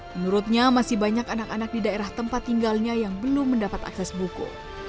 menurutnya masih banyak anak anak di daerah tempat tinggalnya yang belum mendapat akses buku